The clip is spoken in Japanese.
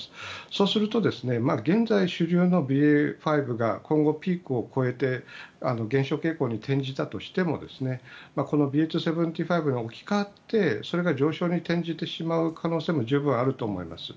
そうすると現在、主流のＢＡ．５が今後ピークを超えて減少傾向に転じたとしてもこのＢＡ．２．７５に置き換わってそれが上昇に転じてしまう可能性も十分あると思います。